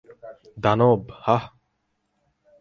দানব, হাহ?